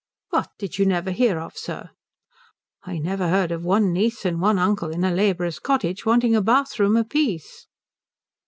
"What did you never hear of, sir?" "I never heard of one niece and one uncle in a labourer's cottage wanting a bathroom apiece."